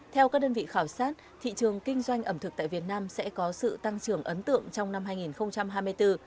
theo các đơn vị khảo sát thị trường kinh doanh ẩm thực tại việt nam sẽ có sự tăng trưởng ấn tượng trong năm hai nghìn hai mươi bốn